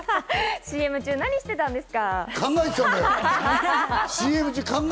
ＣＭ中、何をしていたんですか？